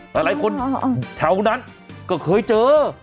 หลายคนแถวนั้นก็เคยเจอ